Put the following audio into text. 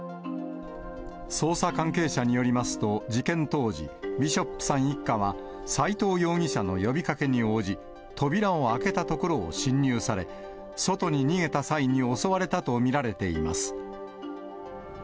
捜査関係者によりますと、事件当時、ビショップさん一家は斎藤容疑者の呼びかけに応じ、扉を開けたところを侵入され、外に逃げた際に襲われたと見られています。